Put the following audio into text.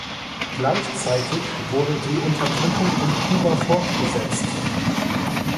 Gleichzeitig wurde die Unterdrückung in Kuba fortgesetzt.